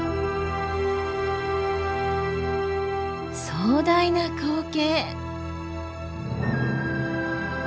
壮大な光景。